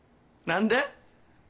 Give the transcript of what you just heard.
何で？